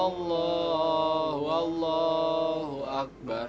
allah ganabelah personnelabi naik akbar